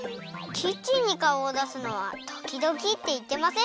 キッチンにかおをだすのはときどきっていってませんでしたっけ？